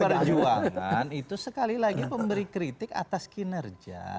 pdi perjuangan itu sekali lagi memberi kritik atas kinerja